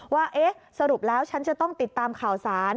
ว่าสรุปแล้วฉันจะต้องติดตามข่าวสาร